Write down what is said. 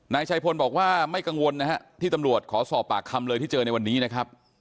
นายชัยพลบอกว่าไม่กังวลนะฮะที่ตำรวจขอสอบปากคำเลยที่เจอในวันนี้นะครับ